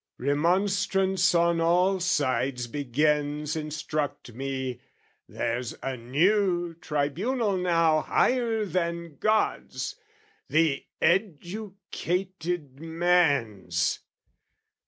Remonstrance on all sides begins Instruct me, there's a new tribunal now Higher than God's, the educated man's!